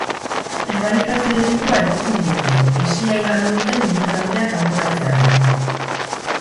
Prebarikazio delitua egotzi diote, hesia igaro duten immigranteak kanporatzearren.